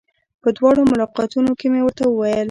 په دواړو ملاقاتونو کې مې ورته وويل.